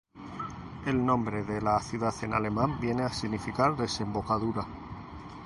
El nombre de la ciudad en alemán viene a significar ‘desembocadura’.